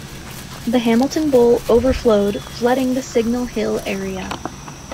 The Hamilton Bowl overflowed, flooding the Signal Hill area.